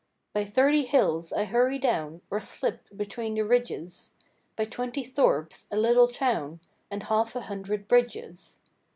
By thirty hills I hurry down, Or slip between the ridges, By twenty thorps, a little town, And half a hundred bridges.